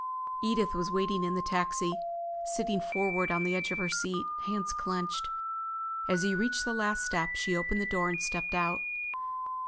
Edith was waiting in the taxi, sitting forward on the edge of the seat, hands clenched. As he reached the last step she opened the door and stepped out.